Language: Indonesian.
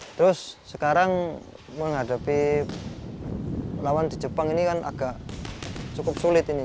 terus sekarang menghadapi lawan di jepang ini kan agak cukup sulit ini